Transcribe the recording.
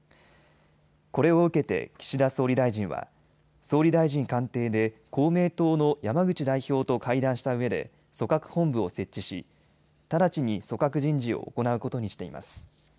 これを受けて岸田総理大臣は総理大臣官邸で公明党の山口代表と会談したうえで組閣本部を設置し、直ちに組閣人事を行うことにしています。